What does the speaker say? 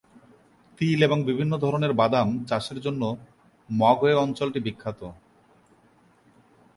তিল এবং বিভিন্ন ধরনের বাদাম চাষের জন্য মগওয়ে অঞ্চলটি বিখ্যাত।